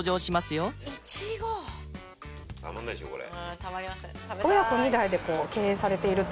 たまりません。